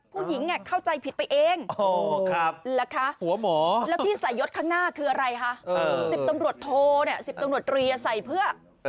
ผู้หญิงเข้าใจผิดไปเองเหรอคะหัวหมอแล้วที่ใส่ยศข้างหน้าคืออะไรคะ๑๐ตำรวจโทเนี่ย๑๐ตำรวจตรีใส่เพื่อ